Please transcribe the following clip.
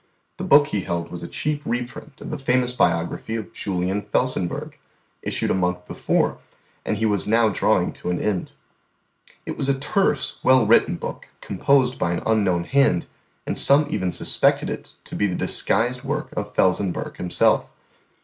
The book He held was a cheap reprint of the famous biography of Julian Felsenburgh, issued a month before, and He was now drawing to an end. It was a terse, well written book, composed by an unknown hand, and some even suspected it to be the disguised work of Felsenburgh himself.